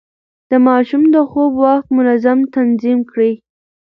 د ماشوم د خوب وخت منظم تنظيم کړئ.